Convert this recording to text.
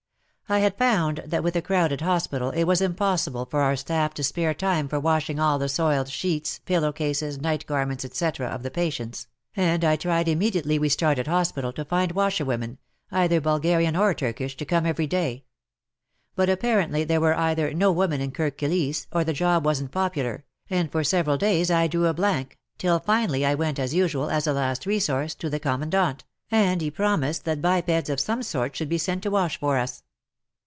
I had found that with a crowded hospital it was impossible for our staff to spare time for wash ing all the soiled sheets, pillow cases, night garments, etc. of the patients, and I tried immediately we started hospital, to find washer women — either Bulgarian or Turkish, to come every day. But apparently there were either no women in Kirk Kilisse, or the job wasn't popular, and for several days I drew a blank, till finally I went as usual, as a last resource, to the Commandant, and he promised that bipeds of some sort should be sent to wash for us.